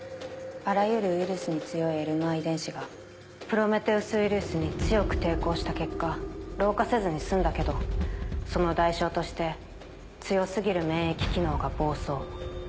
あらゆるウイルスに強いエルマー遺伝子がプロメテウス・ウイルスに強く抵抗した結果老化せずに済んだけどその代償として強過ぎる免疫機能が暴走。